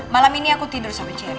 malam ini aku tidur sama cherry